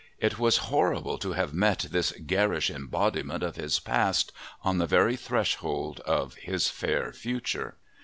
It was horrible to have met this garish embodiment of his past on the very threshold of his fair future.